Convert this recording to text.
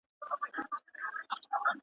چي خپلواک ژوند دي تېر کړي